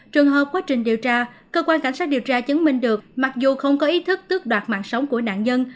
trường hợp quá trình điều tra cơ quan cảnh sát điều tra chứng minh được mặc dù không có ý thức tước đoạt mạng sống của nạn nhân